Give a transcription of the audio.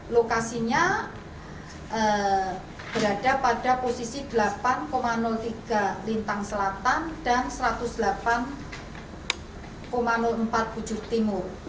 lokasinya berada pada posisi delapan tiga lintang selatan dan satu ratus delapan empat bujuk timur